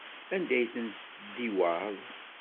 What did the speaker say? Anda ay ten-tdiwaḍ?